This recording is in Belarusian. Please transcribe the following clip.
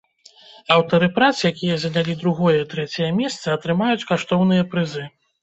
Аўтары прац, якія занялі другое і трэцяе месцы, атрымаюць каштоўныя прызы.